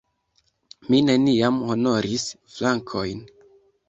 Mi neniam honoris flankojn.